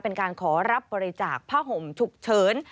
เป็นการขอรับบริจาคผ้าห่มฉุกเฉิน